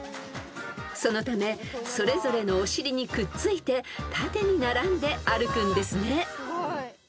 ［そのためそれぞれのお尻にくっついて縦に並んで歩くんですね］